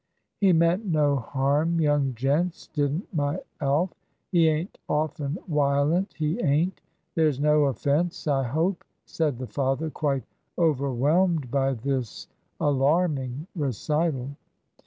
"He meant no harm, young gents, didn't my Alf. He ain't often wiolent, he ain't. There's no offence, I hope?" said the father, quite overwhelmed by this alarming recital.